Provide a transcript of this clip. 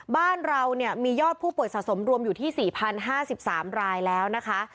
บ้านเราเนี่ยมียอดผู้ป่วยสะสมรวมอยู่ที่๔๐๕๓รายแล้วนะคะ